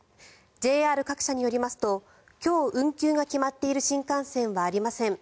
ＪＲ各社によりますと今日運休が決まっている新幹線はありません。